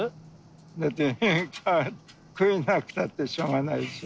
だって食えなくたってしょうがないでしょ。